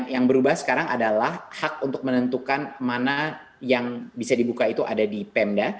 yang berubah sekarang adalah hak untuk menentukan mana yang bisa dibuka itu ada di pemda